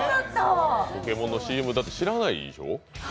「ポケモン」のＣＭだって知らないでしょ？